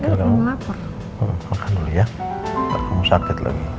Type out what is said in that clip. kalau mau makan dulu ya aku sakit lagi